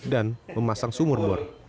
dan memasang sumur bor